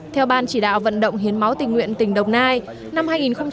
theo ban chỉ đạo vận động hiến máu tình nguyện tỉnh đồng nai năm hai nghìn một mươi tám